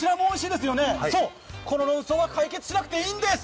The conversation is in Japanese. そう、この論争は解決しなくていいんです。